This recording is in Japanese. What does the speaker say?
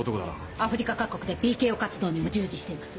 アフリカ各国でＰＫＯ活動にも従事しています。